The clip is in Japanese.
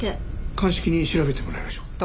鑑識に調べてもらいましょう。